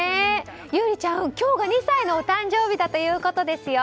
結理ちゃん、今日が２歳のお誕生日だということですよ。